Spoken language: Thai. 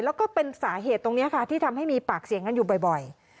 แล้วก็เป็นสาเหตุตรงนี้ค่ะที่ทำให้มีปากเสียงกันอยู่บ่อย